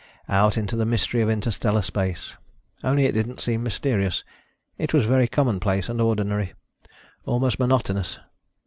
Out into the mystery of interstellar space. Only it didn't seem mysterious. It was very commonplace and ordinary, almost monotonous.